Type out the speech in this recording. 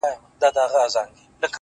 كه دي زما ديدن ياديږي،